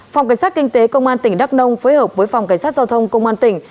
phòng cảnh sát kinh tế công an tỉnh đắk nông phối hợp với phòng cảnh sát giao thông công an tỉnh